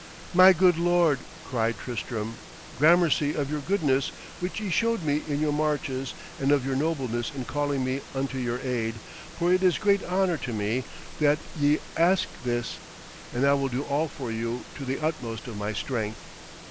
'My good lord,' cried Tristram, 'gramercy of your goodness which ye showed me in your marches, and of your nobleness in calling me unto your aid, for it is great honour to me that ye ask this, and I will do all for you to the utmost of my strength.'